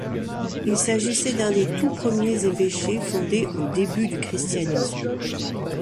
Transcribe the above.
Il s'agissait d'un des tout premiers évêchés fondés au début du christianisme.